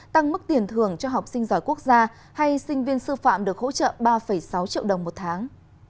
tăng mức tiền thường cho học sinh giỏi quốc gia hay sinh viên sư phạm được hỗ trợ ba sáu triệu đồng một tháng